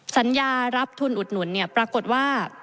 สัญญารับทุนอุดหนุนปรากฏว่า